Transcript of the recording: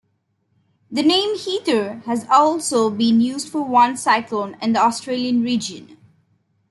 The name Heather has also been used for one cyclone in the Australian region.